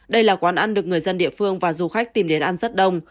đây là quán ăn được người dân địa phương và du khách tìm đến ăn rất đông